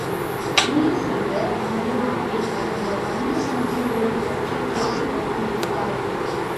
இனிய செல்வ, நமது நாட்டில் நடந்த பங்குச் சந்தை ஊழல் பற்றிக் கேள்விப்பட்டிருப்பாய்!